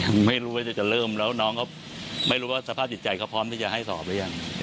ผมไม่รู้ว่าจะเริ่มแล้วน้องเขาไม่รู้ว่าสภาพจิตใจเขาพร้อมที่จะให้สอบหรือยัง